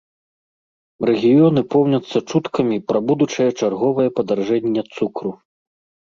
Рэгіёны поўняцца чуткамі пра будучае чарговае падаражэнне цукру.